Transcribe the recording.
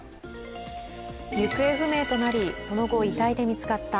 行方不明となり、その後遺体で見つかった